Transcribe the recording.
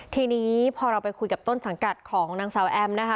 ทีนี้พอเราไปคุยกับต้นสังกัดของนางสาวแอมนะคะ